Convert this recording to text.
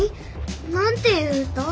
何ていう歌？